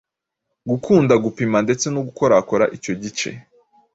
gukunda gupima ndetse no gukorakora icyo gice